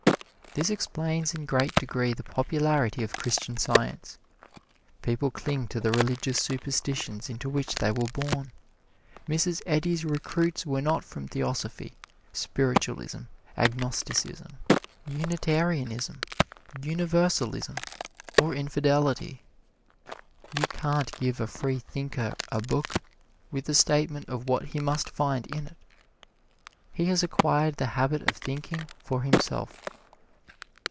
This explains, in great degree, the popularity of Christian Science. People cling to the religious superstitions into which they were born. Mrs. Eddy's recruits were not from theosophy, spiritualism, agnosticism, unitarianism, universalism or infidelity. You can't give a freethinker a book with a statement of what he must find in it. He has acquired the habit of thinking for himself.